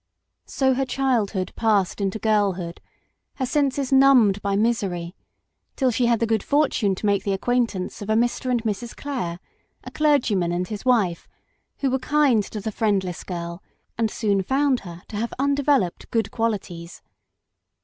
So her childhood passed into girlhood, her senses numbed by misery, till she had the good fortune to make the acquaintance of a Mr. and Mrs. Clare, a clergyman and his wife, who were kind to the friendless girl and soon found her to have undeveloped good qualities.